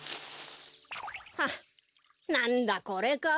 はっなんだこれか。